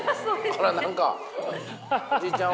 あら何かおじいちゃん